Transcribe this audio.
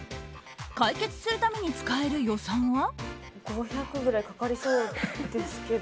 解決するために使える予算は。